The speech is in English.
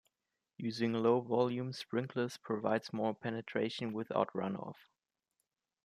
Using low volume sprinklers provides more penetration without runoff.